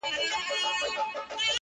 د حالاتو د گردو له تکثره,